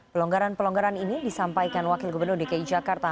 pelonggaran pelonggaran ini disampaikan wakil gubernur dki jakarta